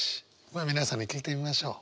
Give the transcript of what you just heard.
まあ皆さんに聞いてみましょう。